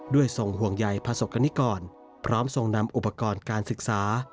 ทรงห่วงใยประสบกรณิกรพร้อมทรงนำอุปกรณ์การศึกษา